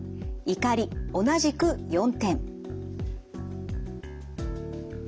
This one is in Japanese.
怒り同じく４点。